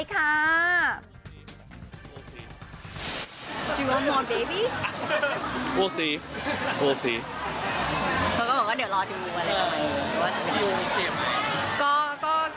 อีกครั้งอีกครั้ง